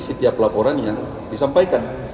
setiap laporan yang disampaikan